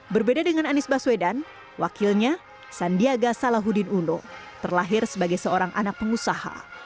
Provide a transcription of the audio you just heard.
berbeda dengan anies baswedan wakilnya sandiaga salahuddin uno terlahir sebagai seorang anak pengusaha